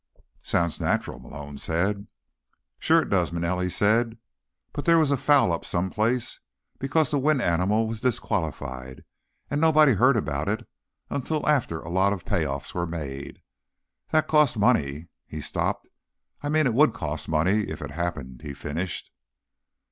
"Sounds natural," Malone said. "Sure it does," Manelli said. "But there was a foul up someplace, because the win animal was disqualified and nobody heard about it until after a lot of payoffs were made. That costs money." He stopped. "I mean it would cost money, if it happened," he finished.